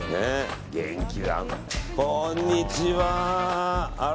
こんにちは。